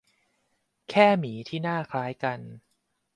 แค่หมีที่หน้าคล้ายกัน